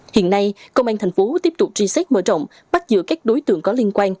hiện nay công an tp hcm tiếp tục tri sách mở rộng bắt giữ các đối tượng có liên quan